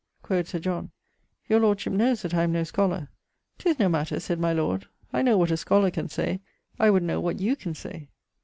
Qd. Sir John 'Your lordship knowes that I am no scholar.' ''Tis no matter,' said my lord, 'I know what a schollar can say; I would know what you can say.'